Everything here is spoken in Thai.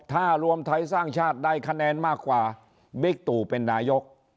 ถ้ารวมไทยสร้างชาติได้คะแนนมากกว่าบิ๊กตู่เป็นนายก